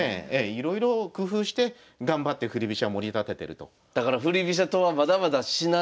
いろいろ工夫して頑張って振り飛車もり立ててると。